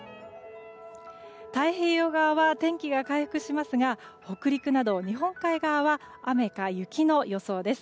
太平洋側は天気が回復しますが北陸など日本海側は雨か雪の予想です。